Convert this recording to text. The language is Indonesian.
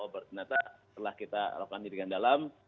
ternyata setelah kita lakukan penyelidikan dalam